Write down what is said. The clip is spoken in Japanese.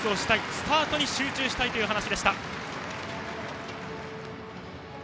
スタートに集中したいという話でした。